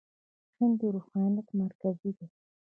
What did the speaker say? هند د روحانيت مرکز دی.